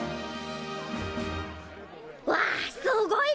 わあすごいね！